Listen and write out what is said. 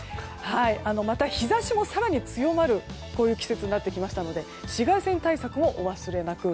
また、日差しも更に強まる季節になりましたので紫外線対策もお忘れなく。